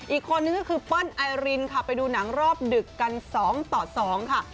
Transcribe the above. อีกคนนึงก็คือเปิ้ลไอรินค่ะไปดูหนังรอบดึกกัน๒ต่อ๒ค่ะ